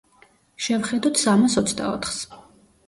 შევხედოთ სამას ოცდაოთხს.